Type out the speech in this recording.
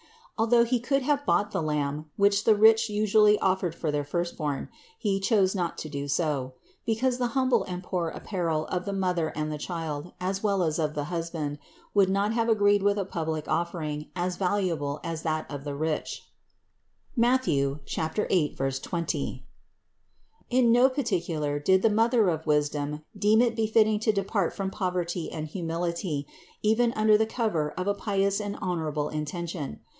Although he could have bought the lamb, which the rich usually offered for their first born, he chose not to do so ; because the humble and poor apparel of the Mother and the Child as well as of the husband, would not have agreed with a public offering as valuable as that of the rich (Matth. 8, 20). In no particular did the Mother of wisdom deem it befitting to depart from poverty and humility, even under the cover of a pious and honorable intention.